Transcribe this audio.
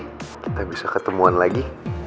kita bisa ketemuan lagi